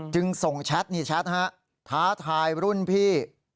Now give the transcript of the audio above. จึงส่งแชทท้าทายรุ่นพี่